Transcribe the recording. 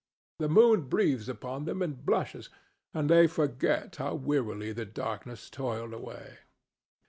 The morn breathes upon them and blushes, and they forget how wearily the darkness toiled away.